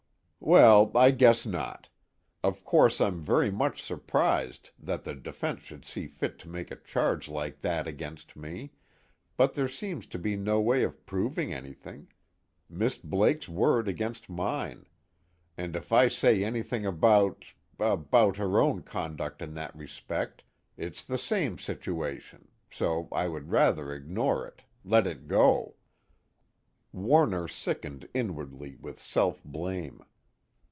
"Well I guess not. Of course I'm very much surprised that the defense should see fit to make a charge like that against me, but there seems to be no way of proving anything Miss Blake's word against mine and if I say anything about about her own conduct in that respect, it's the same situation, so I would rather ignore it, let it go." Warner sickened inwardly with self blame.